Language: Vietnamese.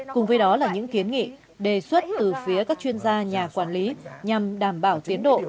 cùng với đó là những kiến nghị đề xuất từ phía các chuyên gia nhà quản lý nhằm đảm bảo tiến độ